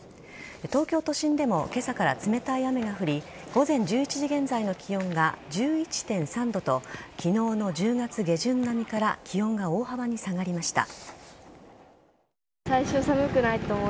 東京都心でも今朝から冷たい雨が降り午前１１時現在の気温が１１．３度と昨日の１０月下旬並みから気温が大幅に下がりました。